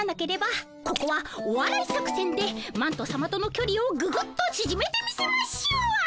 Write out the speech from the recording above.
ここはおわらい作戦でマントさまとのきょりをぐぐっとちぢめてみせましょう。